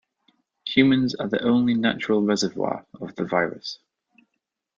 Humans are the only natural reservoir of the virus.